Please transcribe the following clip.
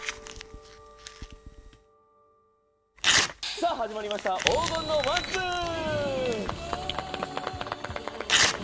さあ始まりました「黄金のワンスプーン！」